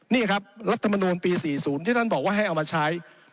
นี่ครับรัฐมนูลปี๔๐ที่ท่านบอกว่าให้เอามาใช้